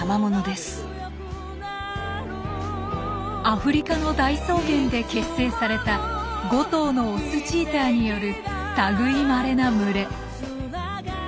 アフリカの大草原で結成された５頭のオスチーターによる類いまれな群れ。